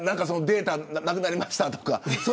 データがなくなりましたとか。